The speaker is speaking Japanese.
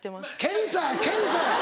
検査や検査。